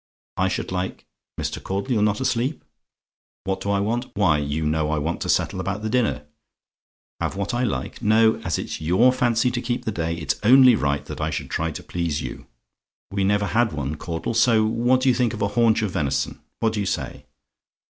I should like Mr. Caudle, you're not asleep? "WHAT DO I WANT? "Why, you know I want to settle about the dinner. "HAVE WHAT I LIKE? "No: as it's your fancy to keep the day, it's only right that I should try to please you. We never had one, Caudle; so what do you think of a haunch of venison? What do you say?